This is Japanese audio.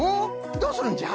どうするんじゃ？